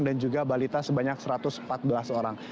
dan juga balita sebanyak satu ratus empat belas orang